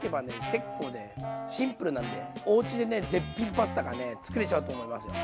結構ねシンプルなんでおうちでね絶品パスタがつくれちゃうと思いますよ！